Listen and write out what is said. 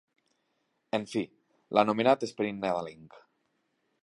En fi, l'anomenat esperit nadalenc.